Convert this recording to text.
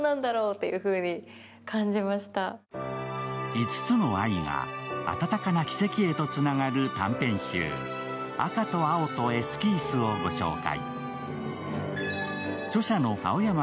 ５つの愛が温かな奇跡へとつながる短編集、「赤と青とエスキース」をご紹介。